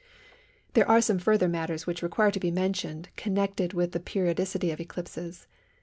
There are some further matters which require to be mentioned connected with the periodicity of eclipses.